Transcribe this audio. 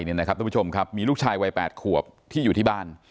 ท่านผู้ชมครับมีลูกชายวัย๘ขวบที่อยู่ที่บ้าน